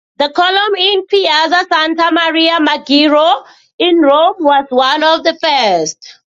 The column in Piazza Santa Maria Maggiore in Rome was one of the first.